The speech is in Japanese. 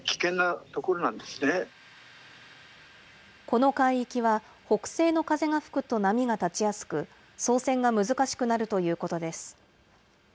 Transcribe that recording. この海域は北西の風が吹くと波が立ちやすく、操船が難しくなるということです。